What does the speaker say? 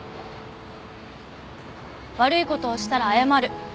悪いことをしたら謝る。